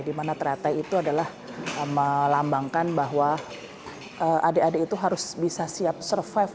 dimana teratai itu adalah melambangkan bahwa adik adik itu harus bisa siap survive